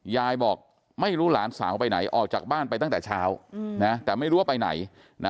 ยายบอกไม่รู้หลานสาวไปไหนออกจากบ้านไปตั้งแต่เช้าแต่ไม่รู้ว่าไปไหน